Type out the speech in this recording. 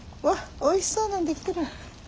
わっおいしそうなん出来てる。